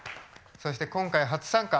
そして今回初参加。